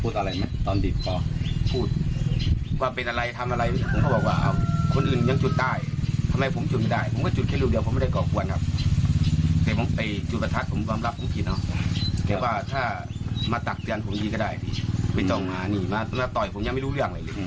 แต่ถ้ามาตักเตือนก็จะได้ที่จะมาต่อยผมยังไม่รู้เรืองอะไรเลย